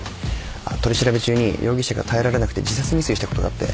取り調べ中に容疑者が耐えられなくて自殺未遂したことがあって。